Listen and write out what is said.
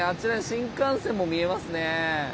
新幹線も見えますね。